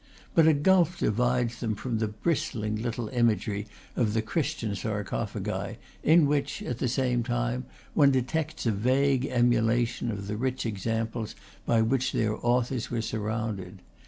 But a gulf divides them from the bristling little imagery of the Christian sarcophagi, in which, at the same time, one detects a vague emulation of the rich examples by which their authors were surrounded.